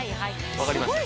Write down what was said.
わかりました。